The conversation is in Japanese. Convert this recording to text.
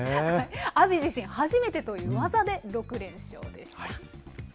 阿炎自身、初めてという技で６連勝です。